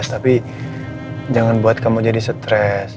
tapi jangan buat kamu jadi stres